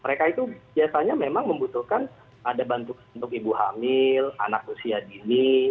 mereka itu biasanya memang membutuhkan ada bantuan untuk ibu hamil anak usia dini